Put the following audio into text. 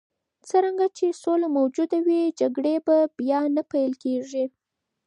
څرنګه چې سوله موجوده وي، جګړې به بیا نه پیل کېږي.